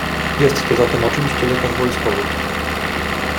"Jest to zatem oczywiście lekarz wojskowy."